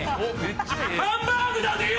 ハンバーグだでよ！